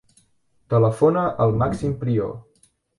Telefona al Màxim Prior.